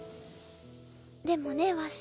でもねわっしー。